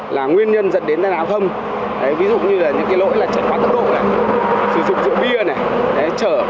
là nguyên nhân dẫn đến giao thông ví dụ như lỗi trải qua tốc độ sử dụng dụng bia